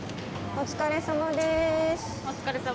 お疲れさまです。